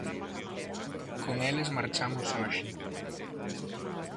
Con eles marchamos hoxe.